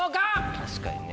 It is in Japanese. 確かにね。